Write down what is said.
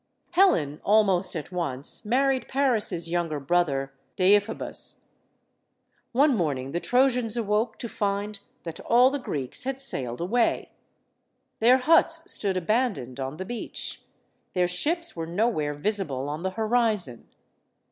Helen, almost at once, married Paris* younger brother Deiphobus. One morning the Trojans awoke to find that all the Greeks had sailed away. Their huts stood abandoned on the beach, their ships were nowhere visible on the horizon.